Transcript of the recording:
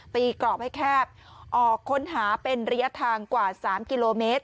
กรอบให้แคบออกค้นหาเป็นระยะทางกว่า๓กิโลเมตร